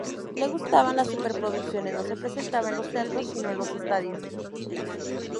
Le gustaban las superproducciones: no se presentaba en los teatros sino en los estadios.